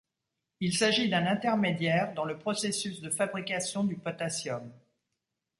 Il s'agit d'un intermédiaire dans le processus de fabrication de potassium.